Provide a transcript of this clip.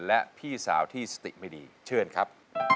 และพี่สาวที่สติไม่ดีเชิญครับ